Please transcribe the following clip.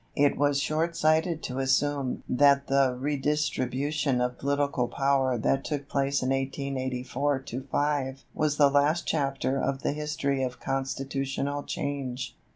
It was shortsighted to assume that the redistribution of political power that took place in 1884 5 was the last chapter of the history of constitutional change.